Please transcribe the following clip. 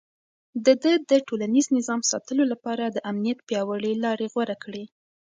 ده د ټولنيز نظم ساتلو لپاره د امنيت پياوړې لارې غوره کړې.